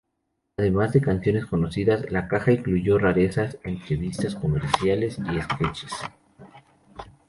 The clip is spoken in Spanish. Además de canciones conocidas, la caja incluyó rarezas, entrevistas, comerciales y sketches.